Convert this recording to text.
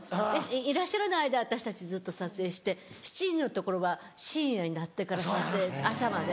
いらっしゃらない間私たちずっと撮影して７人のところは深夜になってから撮影朝まで。